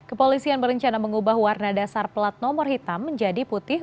kepolisian berencana mengubah warna dasar pelat nomor hitam menjadi putih